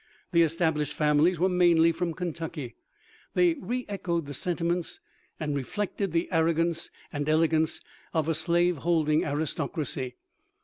The established families were mainly from Kentucky. They re echoed the sentiments and reflected the arrogance and elegance of a slave holding aristoc racy.